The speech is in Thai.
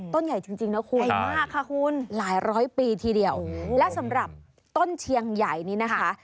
ต้นใหญ่จริงนะคุณใหญ่มากค่ะคุณหลายร้อยปีทีเดียวและสำหรับต้นเชียงใหญ่นี้นะคะ